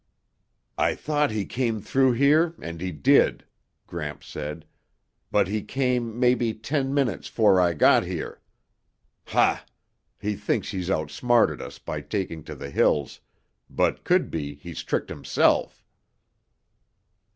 "I thought he came through here and he did," Gramps said. "But he came maybe ten minutes 'fore I got here. Ha! He thinks he's outsmarted us by taking to the hills, but could be he's tricked himself."